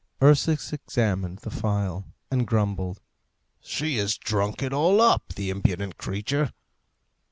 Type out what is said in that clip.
Ursus examined the phial, and grumbled, "She has drunk it all up, the impudent creature!"